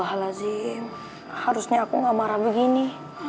allah alazim harusnya aku nggak marah begini